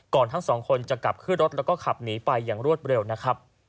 ทั้งสองคนจะกลับขึ้นรถแล้วก็ขับหนีไปอย่างรวดเร็วนะครับ